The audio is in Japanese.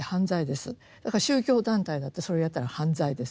だから宗教団体だってそれをやったら犯罪です。